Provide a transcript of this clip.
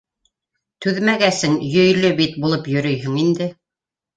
Түҙмәгәсең, йөйлө бит булып йөрөйһөң инде.